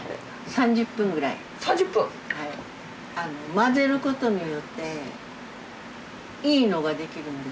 混ぜることによっていいのができるんですよ。